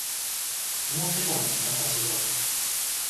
思ってたのとなんかちがう